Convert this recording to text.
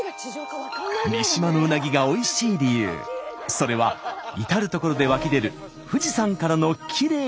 それは至る所で湧き出る富士山からのきれいな湧き水。